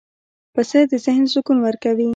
پسه د ذهن سکون ورکوي.